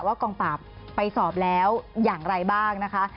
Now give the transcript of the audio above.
กองปราบไปสอบแล้วอย่างไรบ้างนะคะ